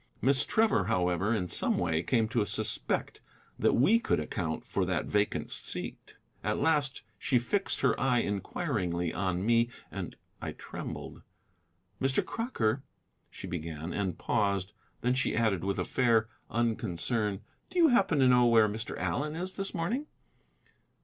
Miss Trevor, however, in some way came to suspect that we could account for that vacant seat. At last she fixed her eye inquiringly on me, and I trembled. "Mr. Crocker," she began, and paused. Then she added with a fair unconcern, "do you happen to know where Mr. Allen is this morning?"